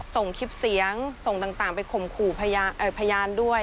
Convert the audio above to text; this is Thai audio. ส่งคลิปเสียงส่งต่างไปข่มขู่พยานด้วย